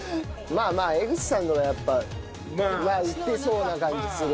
まあまあ江口さんのがやっぱまあ売ってそうな感じするな。